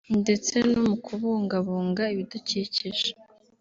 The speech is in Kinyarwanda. ndetse no kubungabunga ibidukikije